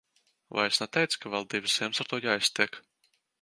Vai es neteicu, ka vēl divas ziemas ar to jāiztiek.